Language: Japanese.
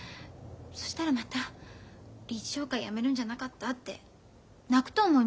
そしたらまたリーチ商会辞めるんじゃなかったって泣くと思います。